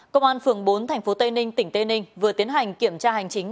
công an phường bốn thành phố tây ninh tỉnh tây ninh vừa tiến hành kiểm tra hành chính